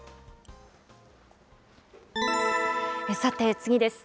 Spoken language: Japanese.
さて、次です。